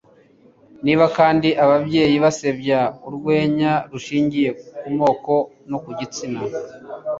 niba kandi ababyeyi basebya urwenya rushingiye ku moko no ku gitsina